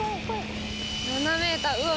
７ｍうわ